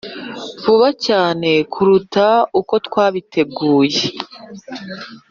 vuba cyane kuruta uko twabiteguye.